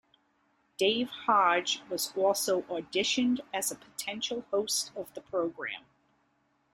Dave Hodge was also auditioned as a potential host of the program.